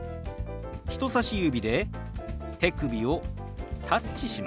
人さし指で手首をタッチします。